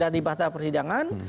jadi fakta persidangan